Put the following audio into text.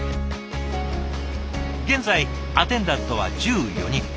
現在アテンダントは１４人。